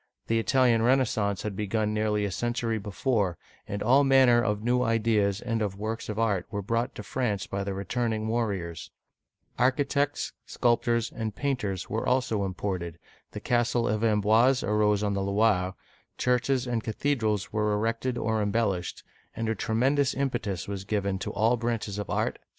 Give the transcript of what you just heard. The Italian Renais sance had begun nearly a century before, and all manner of new ideas and of works of art were brought to France by the returning warriors. Architects, sculptors, and paint ers were also imported, the Castle of Amboise (aN bwaz') arose on the Loire, churches and cathedrals were erected uigiTizea Dy vjiOOQlC Statue of Louis XII. at the ChSteau of Blois.